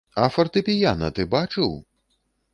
А фартэпіяна ты бачыў?